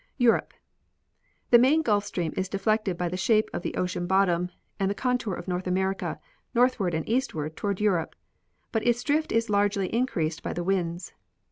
Europe. The main Gulf stream is deflected, by the shape of the ocean bottom and the contour of North America, northward and east ward toward Europe ; but its drift is largely increased by the winds.